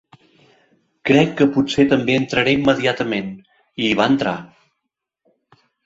"Crec que potser també entraré immediatament", i hi va entrar.